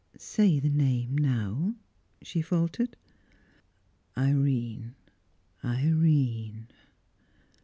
"Say the name now," she faltered. "Irene! Irene!"